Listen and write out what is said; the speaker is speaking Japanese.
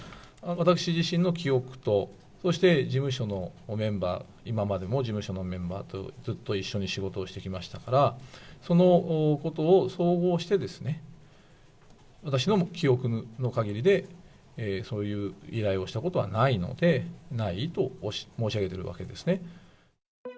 私自身の記憶と、そして事務所のメンバー、今までも事務所のメンバーとずっと一緒に仕事をしてきましたから、そのことを総合してですね、私の記憶のかぎりで、そういう依頼をしたことはないので、ないと申し上げてるわけですね。